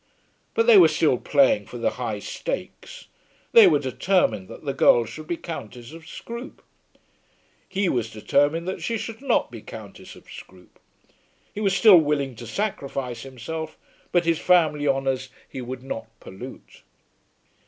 But they were still playing for the high stakes. They were determined that the girl should be Countess of Scroope. He was determined that she should not be Countess of Scroope. He was still willing to sacrifice himself, but his family honours he would not pollute.